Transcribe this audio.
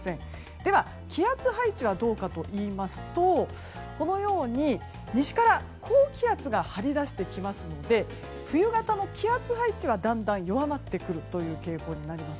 では、気圧配置はどうかといいますと西から高気圧が張り出してきますので冬型の気圧配置はだんだん弱まってくる傾向になります。